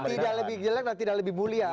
tidak lebih gila dan tidak lebih mulia